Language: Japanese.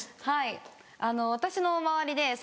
はい私の周りで。